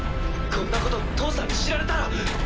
こんなこと父さんに知られたら。